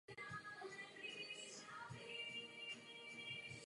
Od počátku fungování cukrovaru byl kladen důraz na zvyšování kapacity zpracování řepy.